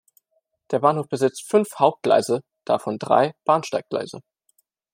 Der Bahnhof besitzt fünf Hauptgleise, davon drei Bahnsteiggleise.